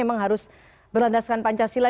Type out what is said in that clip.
memang harus berlandaskan pancasila